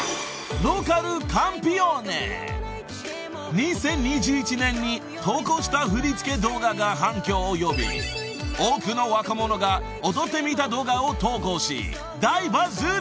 ［２０２１年に投稿した振り付け動画が反響を呼び多くの若者が踊ってみた動画を投稿し大バズり］